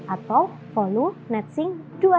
atau polu netsing dua ribu tiga puluh